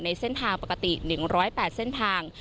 ในเส้นทางปกติ๑๐๘เส้นทาง